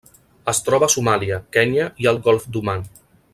Es troba a Somàlia, Kenya i el Golf d'Oman.